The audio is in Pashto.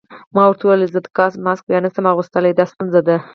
ما ورته وویل: ضد ګاز ماسک بیا نه شم اغوستلای، دا ستونزه ده.